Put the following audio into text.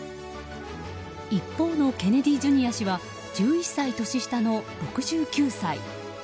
一方のケネディ・ジュニア氏は１１歳年下の６９歳。